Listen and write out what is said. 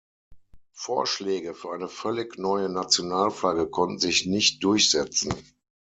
Vorschläge für eine völlig neue Nationalflagge konnten sich nicht durchsetzen.